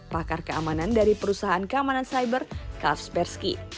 pakar keamanan dari perusahaan keamanan cyber kaspersky